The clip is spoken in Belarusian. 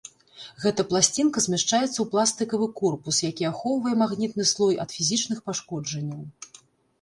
Гэта пласцінка змяшчаецца ў пластыкавы корпус, які ахоўвае магнітны слой ад фізічных пашкоджанняў.